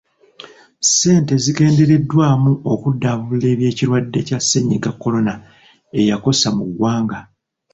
Ssente zigendereddwamu okuddabulula ebyekirwadde kya sennyiga kolona eyakosa muggwanga.